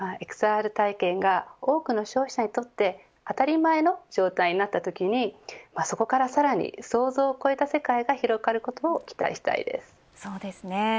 ＸＲ体験が多くの消費者にとって当たり前の状態になったときにそこからさらに想像を超えた世界が広がることを期待したいです。